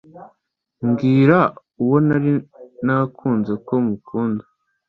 mbwira uwo nari nakunze ko mukunda